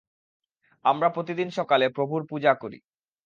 আমরা প্রতিদিন সকালে প্রভুর পূজা করি।